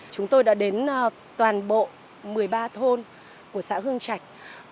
chúng tôi đã đến toàn bộ một mươi ba thôn của xã hương trạch